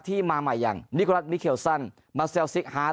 มาใหม่อย่างนิโกรัฐมิเคลซันมาเซลซิกฮาร์ด